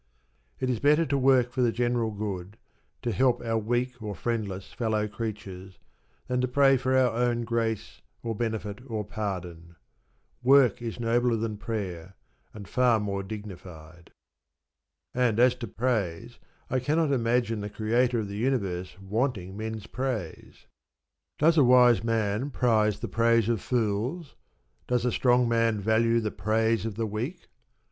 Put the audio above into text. It is better to work for the general good, to help our weak or friendless fellow creatures, than to pray for our own grace, or benefit, or pardon. Work is nobler than prayer, and far more dignified. And as to praise, I cannot imagine the Creator of the Universe wanting men's praise. Does a wise man prize the praise of fools? Does a strong man value the praise of the weak?